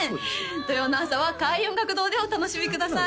土曜の朝は開運音楽堂でお楽しみください